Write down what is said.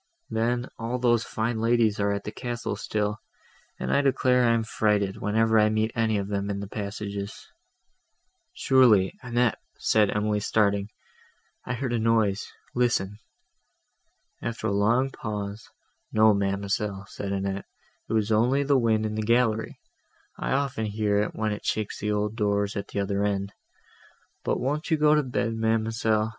Then, all those fine ladies are at the castle still; and I declare I am frighted, whenever I meet any of them in the passages—" "Surely, Annette," said Emily starting, "I heard a noise: listen." After a long pause, "No, ma'amselle," said Annette, "it was only the wind in the gallery; I often hear it, when it shakes the old doors, at the other end. But won't you go to bed, ma'amselle?